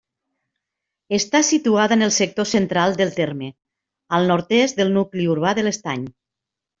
Està situada en el sector central del terme, al nord-est del nucli urbà de l'Estany.